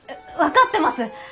分かってます！